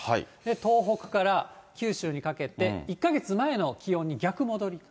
東北から九州にかけて、１か月前の気温に逆戻り。